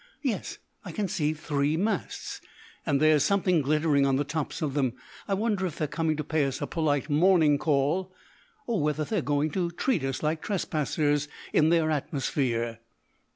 Yes, I can see three masts, and there's something glittering on the tops of them. I wonder if they're coming to pay us a polite morning call, or whether they're going to treat us like trespassers in their atmosphere."